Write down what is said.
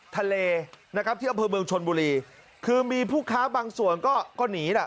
คือมีพวกคร้าบางส่วนก็หนีด่ะ